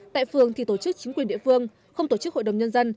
tại phường thì tổ chức chính quyền địa phương không tổ chức hội đồng nhân dân